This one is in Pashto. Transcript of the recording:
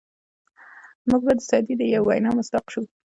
موږ به د سعدي د یوې وینا مصداق شو.